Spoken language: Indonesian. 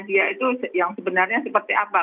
dia itu yang sebenarnya seperti apa